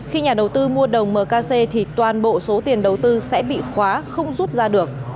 khi nhà đầu tư mua đồng mkc thì toàn bộ số tiền đầu tư sẽ bị khóa không rút ra được